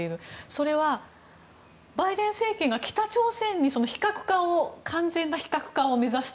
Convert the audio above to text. それは、バイデン政権が北朝鮮に完全な非核化を目指す